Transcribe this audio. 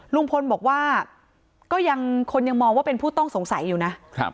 ลุงพลบอกว่าก็ยังคนยังมองว่าเป็นผู้ต้องสงสัยอยู่นะ